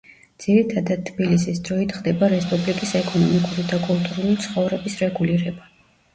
ძირითადად თბილისის დროით ხდება რესპუბლიკის ეკონომიკური და კულტურული ცხოვრების რეგულირება.